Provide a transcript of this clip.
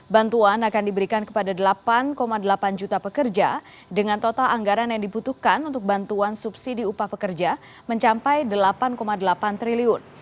bantuan akan diberikan kepada delapan delapan juta pekerja dengan total anggaran yang dibutuhkan untuk bantuan subsidi upah pekerja mencapai delapan delapan triliun